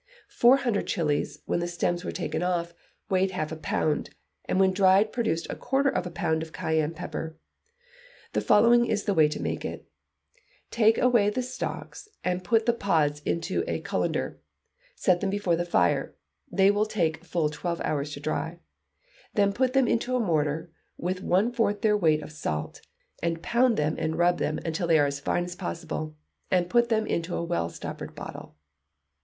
Four hundred chilis, when the stems were taken off, weighed half a pound; and when dried produced a quarter of a pound of cayenne pepper. The following is the way to make it: Take away the stalks, and put the pods into a cullender; set them before the fire, they will take full twelve hours to dry; then put them into a mortar, with one fourth their weight of salt, and pound them and rub them till they are as fine as possible, and put them into a well stoppered bottle."